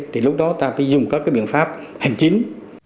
thì lúc đó ta phải dùng các biện pháp hành chính